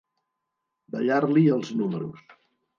Ballar-li els números.